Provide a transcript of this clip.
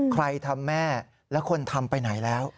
ใครทำแม่และคนทำไปไหนแล้ว